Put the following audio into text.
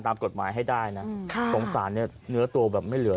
ตามกฎหมายให้ได้นะค่ะสงสารเนี่ยเนื้อตัวแบบไม่เหลือ